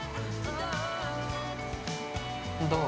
どう？